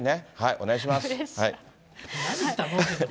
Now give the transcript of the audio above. お願いします。